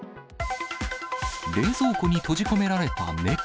冷蔵庫に閉じ込められた猫。